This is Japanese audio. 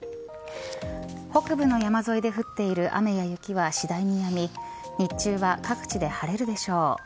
北部の山沿いで降っている雨や雪は次第にやみ日中は各地で晴れるでしょう。